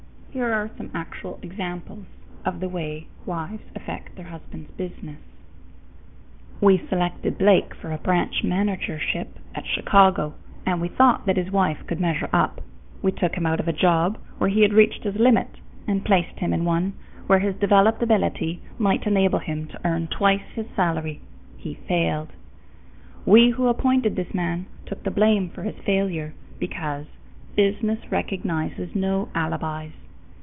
Here are some actual examples of the way wives affect their husband's business: We selected Blake for a branch managership at Chicago, and we thought that his wife could measure up. We took him out of a job where he had reached his limit and placed him in one where his developed ability might enable him to earn twice his salary. He failed. We who appointed this man took the blame for his failure, because business recognizes no alibis.